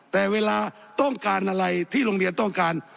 แต่เวลาต้องการอะไรที่โรงเรียนต้องการ